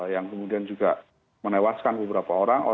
yang kemudian juga menewaskan beberapa orang